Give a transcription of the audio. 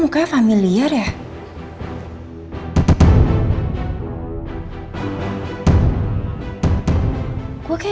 kenapa harus gua sih